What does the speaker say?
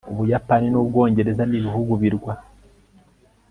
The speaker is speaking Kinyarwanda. ubuyapani n'ubwongereza ni ibihugu birwa